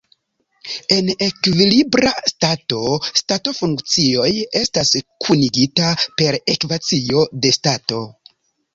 En ekvilibra stato stato-funkcioj estas kunigita per ekvacio de stato.